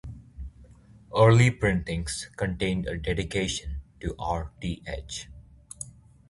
Early printings contained a dedication To R. T. H.